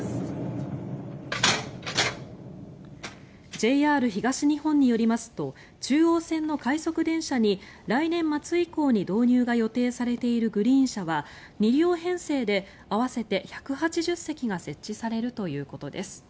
ＪＲ東日本によりますと中央線の快速電車に来年末以降に導入が予定されているグリーン車は２両編成で合わせて１８０席が設置されるということです。